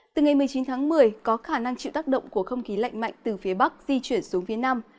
từ ngày một mươi chín tháng một mươi có khả năng chịu tác động của không khí lạnh mạnh từ phía bắc di chuyển xuống phía nam